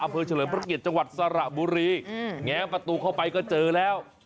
อเภอเฉลยภรรกิจจังหวัดสระบุรีแง้ประตูเข้าไปก็เจอแล้ว